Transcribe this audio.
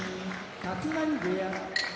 立浪部屋